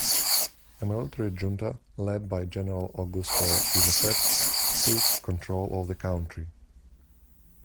A military junta, led by General Augusto Pinochet, took control of the country.